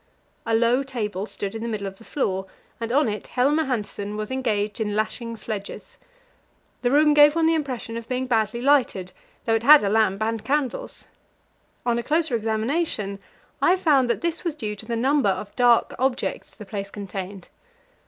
A low table stood in the middle of the floor, and on it Helmer Hanssen was engaged in lashing sledges. The room gave one the impression of being badly lighted, though it had a lamp and candles. On a closer examination, I found that this was due to the number of dark objects the place contained.